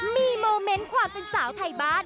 มีโมเมนต์ความเป็นสาวไทยบ้าน